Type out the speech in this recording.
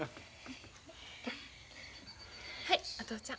はいお父ちゃん。